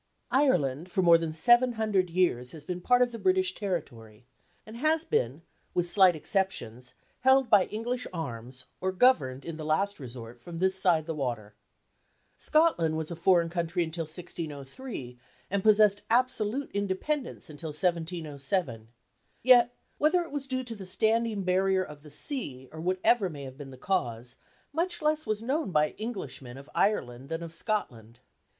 Ireland for more than seven hundred years has been part of the British territory, and has been with slight exceptions held by English arms, or governed in the last resort from this side the water. Scotland was a foreign country until 1603, and possessed absolute independence until 1707. Yet, whether it was due to the standing barrier of the sea, or whatever may have been the cause, much less was known by Englishmen of Ireland than of Scotland.